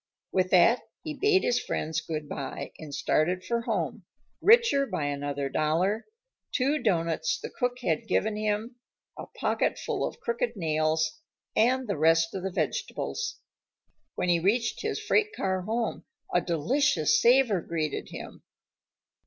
With that, he bade his friends good by and started for home, richer by another dollar, two doughnuts the cook had given him, a pocket full of crooked nails, and the rest of the vegetables. When he reached his freight car home a delicious savor greeted him.